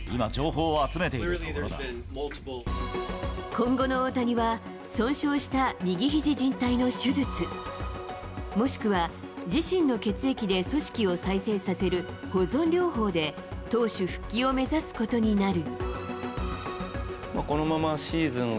今後の大谷は損傷した右肘じん帯の手術、もしくは自身の血液で組織を再生させる保存療法で投手復帰を目指すことになる。